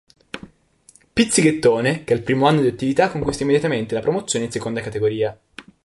Pizzighettone" che al primo anno di attività conquista immediatamente la promozione in Seconda Categoria.